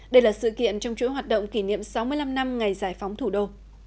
đây là sự kiện trong chuỗi hoạt động kỷ niệm sáu mươi năm năm ngày giải phóng thủ đô